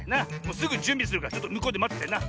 すぐじゅんびするからちょっとむこうでまっててな。